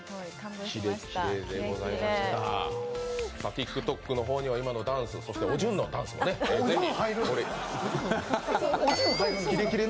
ＴｉｋＴｏｋの方には今のダンスそしておじゅんもダンスもね、ぜひ。